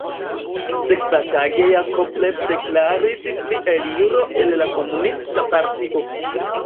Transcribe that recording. Sekvatage Jakovlev deklaris pri eliro el la komunista partio.